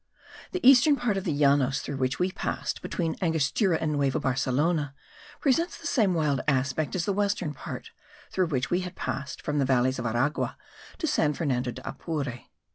The eastern part of the Llanos through which we passed, between Angostura and Nueva Barcelona, presents the same wild aspect as the western part, through which we had passed from the valleys of Aragua to San Fernando de Apure.